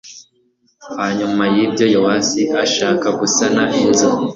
hanyuma y'ibyo yowasi ashaka gusana inzu